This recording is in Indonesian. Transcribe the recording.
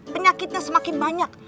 penyakitnya semakin banyak